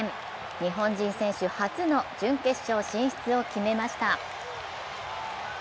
日本人選手初の準決勝進出を決めました。